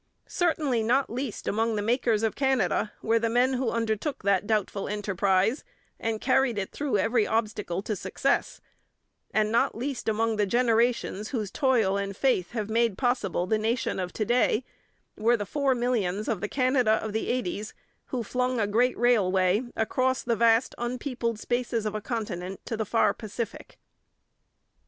Certainly not least among the makers of Canada were the men who undertook that doubtful enterprise and carried it through every obstacle to success; and not least among the generations whose toil and faith have made possible the nation of to day were the four millions of the Canada of the eighties who flung a great railway across the vast unpeopled spaces of a continent to the far Pacific.